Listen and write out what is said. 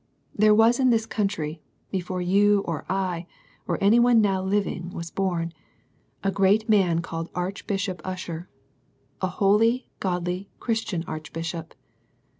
There was in this country, before you or I, or any one now living, was bom, a great man called Archbishop Usher: a holy, godly, Christian Archbishop.